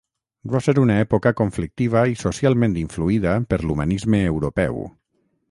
Va ser una època conflictiva i socialment influïda per l'humanisme europeu.